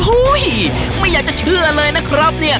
ไม่อยากจะเชื่อเลยนะครับเนี่ย